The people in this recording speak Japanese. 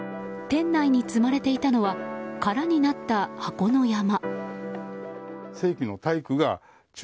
店内に積まれていたのは空になった箱の山。